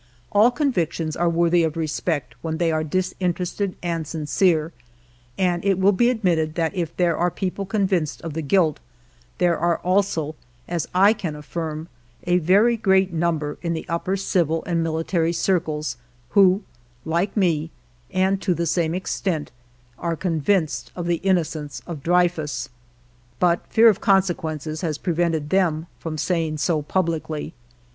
... All convictions are worthy of respect when they are disinterested and sincere, and it will be admitted that if there are people convinced of the guilt, there are also, as I can affirm, a very great number, in the upper civil and military circles, who, like me, — and to the same extent, — are convinced of the innocence of Dreyfus. But fear of consequences has prevented them from saying so publicly.